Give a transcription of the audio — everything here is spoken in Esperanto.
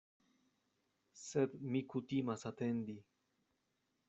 Sed mi kutimas atendi.